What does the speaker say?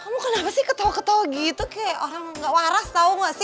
kamu kenapa sih ketawa ketawa gitu kayak orang nggak waras tau nggak sih